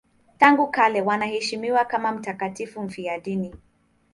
Tangu kale wanaheshimiwa kama mtakatifu mfiadini.